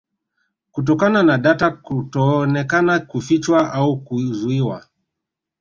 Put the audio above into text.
Kutokana na data kutoonekana kufichwa au kuzuiwa